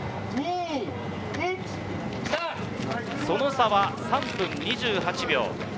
その差は３分２８秒。